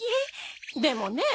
でもねえ。